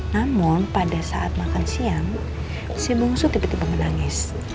namun pada saat makan siang si bungsu tiba tiba menangis